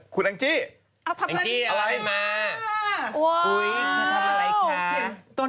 คุณแอมจี้เอาให้มาอุ๊ยคุณทำอะไรคะ